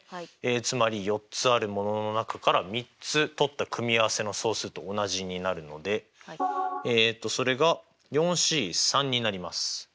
つまり４つあるものの中から３つ取った組合せの総数と同じになるのでえっとそれがＣになります。